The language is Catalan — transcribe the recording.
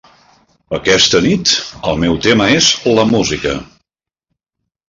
Aquesta nit, el meu tema és la música.